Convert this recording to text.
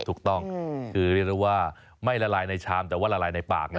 ถูกต้องคือเรียกได้ว่าไม่ละลายในชามแต่ว่าละลายในปากนะ